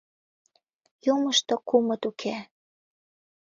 Юмышто кумыт уке.